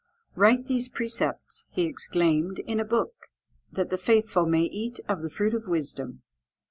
"Write these precepts," he exclaimed, "in a book, that the faithful may eat of the fruit of wisdom."